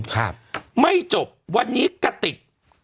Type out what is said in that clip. ครับไม่จบวันนี้กติก